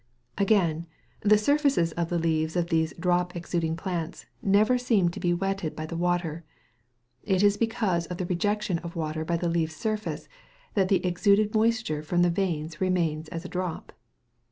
Again, the surfaces of the leaves of these drop exuding plants never seem to be wetted by the water. It is because of the rejection of water by the leaf surface that the exuded moisture from the veins remains as a drop.